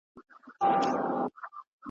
دا یې ګز دا یې میدان .